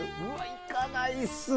行かないっすね。